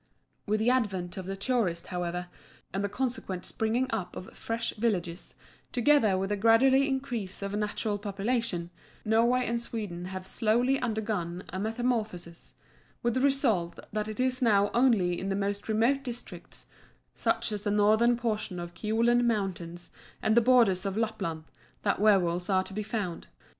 With the advent of the tourist, however, and the consequent springing up of fresh villages, together with the gradual increase of native population, Norway and Sweden have slowly undergone a metamorphosis, with the result that it is now only in the most remote districts, such as the northern portion of the Kiolen Mountains and the borders of Lapland, that werwolves are to be found.